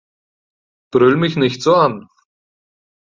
Brüll mich nicht so an!